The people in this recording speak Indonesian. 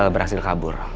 iqbal berhasil kabur